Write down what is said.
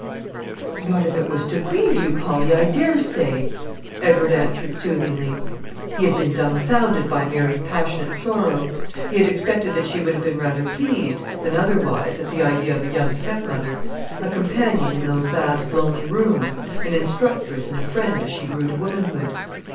"Not if it was to grieve you, Polly, I dare say," Edward answered soothingly. He had been dumbfounded by Mary's passionate sorrow. He had expected that she would have been rather pleased, than otherwise, at the idea of a young stepmother, a companion in those vast lonely rooms, an instructress and a friend as she grew to womanhood.